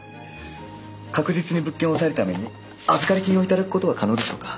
確実に物件を押さえるために預かり金をいただくことは可能でしょうか？